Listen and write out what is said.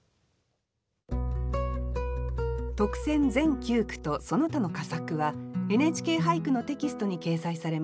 特選全九句とその他の佳作は「ＮＨＫ俳句」のテキストに掲載されます。